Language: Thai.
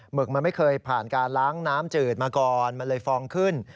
กมันไม่เคยผ่านการล้างน้ำจืดมาก่อนมันเลยฟองขึ้น